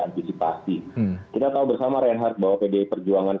antisipasi kita tahu bersama reinhardt bahwa pdi perjuangan